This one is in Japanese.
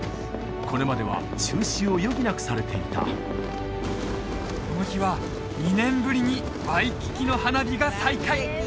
これまでは中止を余儀なくされていたこの日は２年ぶりにワイキキの花火が再開！